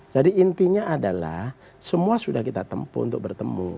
jadi intinya adalah semua sudah kita tempuh untuk bertemu